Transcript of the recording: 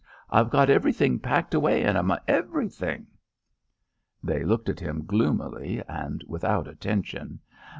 I've got everything packed away in 'em. Everything!" They looked at him gloomily and without attention.